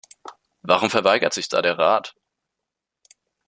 Warum verweigert sich da der Rat?